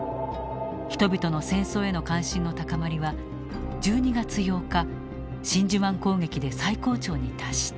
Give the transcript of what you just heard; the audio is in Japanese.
人々の戦争への関心の高まりは１２月８日真珠湾攻撃で最高潮に達した。